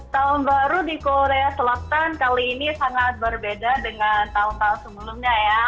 tahun baru di korea selatan kali ini sangat berbeda dengan tahun tahun sebelumnya ya